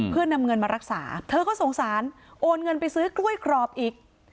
เพื่อนำเงินมารักษาเธอก็สงสารโอนเงินไปซื้อกล้วยกรอบอีก